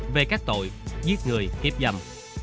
về các tội giết người hiếp dầm